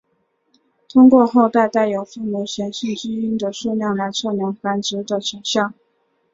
通过后代带有父母显性基因的数量来推测繁殖的成效。